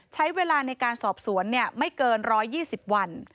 ใช้เวลาในการสอบสวนไม่เกิน๑๒๐วัน